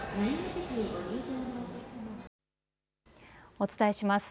お伝えします。